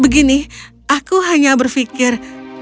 begini aku hanya berfikir